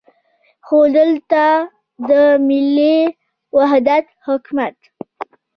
خو دلته د ملي وحدت حکومت.